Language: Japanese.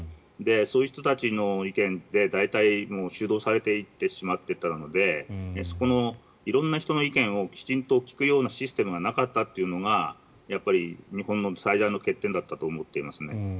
そういう人たちの意見で大体、主導されていってしまっていたのでそこの色んな人の意見をきちんと聞くようなシステムがなかったというのがやっぱり日本の最大の欠点だったと思っています。